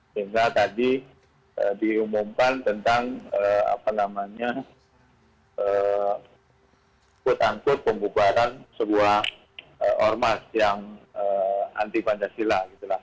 sehingga tadi diumumkan tentang quote unquote pembubaran sebuah ormas yang anti pancasila